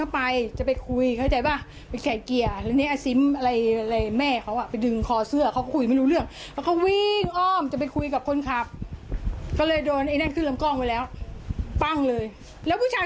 พวกเพื่อนน้องเขาบอกว่าลูกชาย